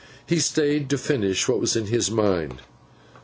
He stayed to finish what was in his mind.